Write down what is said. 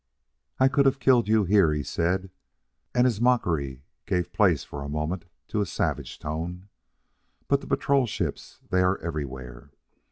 "I could have killed you here," he said; and his mockery gave place for a moment to a savage tone, "but the patrol ships, they are everywhere.